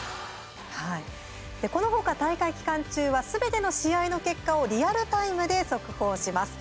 この他、大会期間中はすべての試合の結果をリアルタイムで速報します。